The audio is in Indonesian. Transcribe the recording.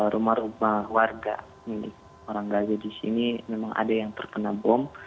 rumah rumah warga milik orang gajah di sini memang ada yang terkena bom